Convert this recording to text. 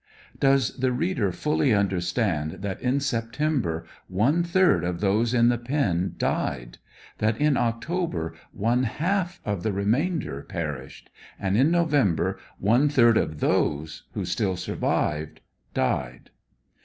Does the reader fully understand that in September one third of those in the pen died, that in October one half of the remainder per ished, and in November one third of those who still survived, died?